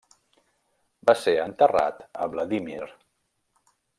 Va ser enterrat a Vladímir.